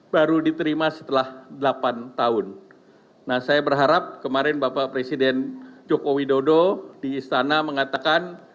baru diterima setelah delapan tahun nah saya berharap kemarin bapak presiden joko widodo di istana mengatakan